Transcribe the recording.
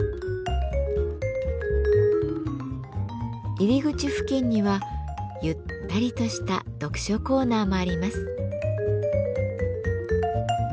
入り口付近にはゆったりとした読書コーナーもあります。